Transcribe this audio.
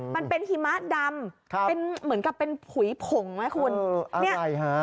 มันเป็นหิมะดำเป็นเหมือนกับเป็นผุยผงไหมคุณเนี่ยใช่ฮะ